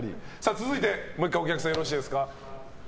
続いて、もう１回お客さんよろしいですか。